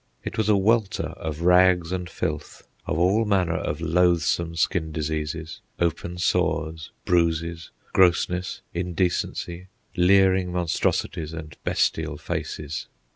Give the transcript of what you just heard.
It was a welter of rags and filth, of all manner of loathsome skin diseases, open sores, bruises, grossness, indecency, leering monstrosities, and bestial faces.